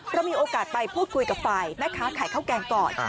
เรามีโอกาสไปพูดคุยกับฝ่ายแม่ค้าขายข้าวแกงก่อน